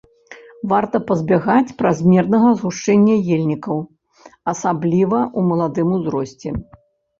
Варта пазбягаць празмернага згушчэння ельнікаў, асабліва ў маладым узросце.